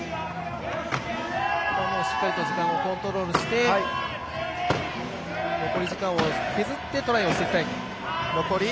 しっかりと時間をコントロールして残り時間を削ってトライをしていきたい。